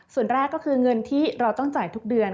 ส่วนแรกก็คือเงินที่เราต้องจ่ายทุกเดือน